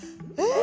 え